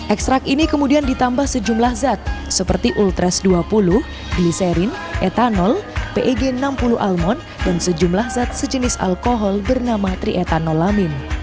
ekstrak ini kemudian ditambah sejumlah zat seperti ultras dua puluh gliserin etanol peg enam puluh almond dan sejumlah zat sejenis alkohol bernama trietanolamin